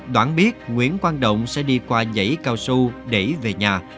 đoán biết nguyễn quang động sẽ đi qua dãy cao su để về nhà